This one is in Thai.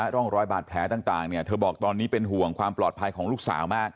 ร่องรอยบาดแผลต่างเธอบอกตอนนี้เป็นห่วงความปลอดภัยของลูกสาวมาก